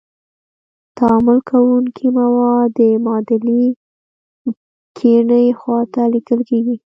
تعامل کوونکي مواد د معادلې کیڼې خواته لیکل کیږي.